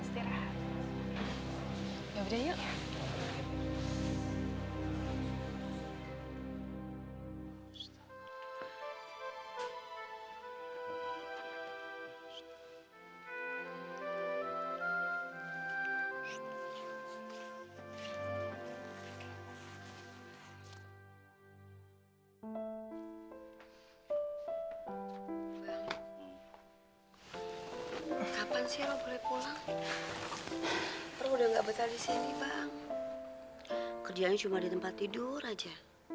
kerjaan cuma di tempat tidur aja